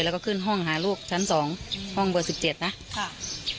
แล้วก็ขึ้นห้องหาลูกชั้นสองอืมห้องเบอร์สิบเจ็ดนะค่ะ